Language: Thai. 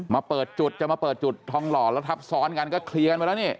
มาเปิดจุดจะมาเปิดจุดทองหล่อแล้วทับซ้อนกันก็เคลียร์กันไปแล้วนี่